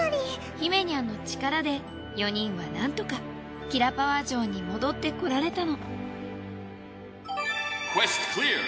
ひめにゃんの力で４人はなんとかキラパワ城に戻ってこられたのクエストクリア。